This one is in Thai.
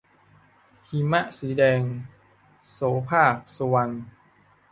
หิมะสีแดง - โสภาค สุวรรณ